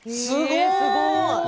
すごい。